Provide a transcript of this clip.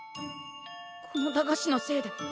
この駄菓子のせいで。